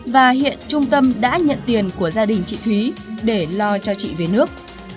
và hiện trung tâm đã nhận tiền của gia đình chị thúy để lo cho chị về nước